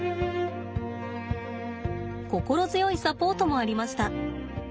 心強いサポートもありました。